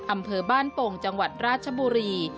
อำเภอบ้านโป่งจังหวัดราชบุรี